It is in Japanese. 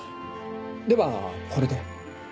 ではこれで。